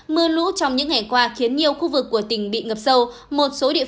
mưa lũ trong những ngày qua khiến nhiều khu vực của tỉnh bị ngập sâu